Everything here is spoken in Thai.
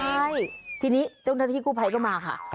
ใช่ทีนี้เจ้าหน้าที่กู้ภัยก็มาค่ะ